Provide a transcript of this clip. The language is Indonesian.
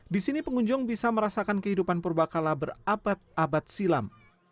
di sini pengunjung bisa merasakan kehidupan purba kala berabad abad silam